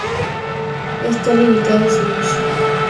Esto ha limitado su uso.